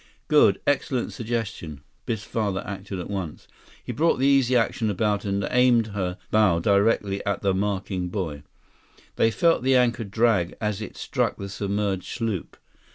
"Good. Excellent suggestion." Biff's father acted at once. He brought the Easy Action about and aimed her bow directly at the marking buoy. They felt the anchor drag as it struck the submerged sloop.